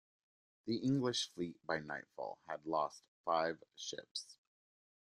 The English fleet by nightfall had lost five ships.